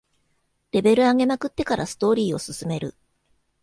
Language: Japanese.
レベル上げまくってからストーリーを進める